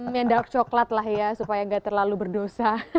mendalk coklat lah ya supaya gak terlalu berdosa